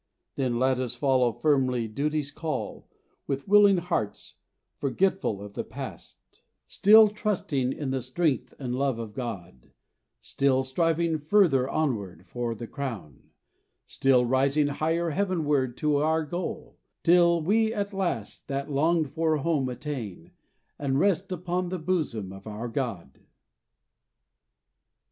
Then let us follow firmly duty's call With willing hearts, forgetful of the past, Still trusting in the strength and love of God, Still striving further onward for the crown, Still rising higher heavenward to our goal, Till we at last that longed for Home attain, And rest upon the bosom of our God.